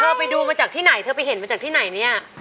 ไปดูมาจากที่ไหนเธอไปเห็นมาจากที่ไหนเนี่ย